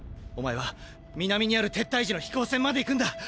お前は南にある撤退時の飛行船まで行くんだ！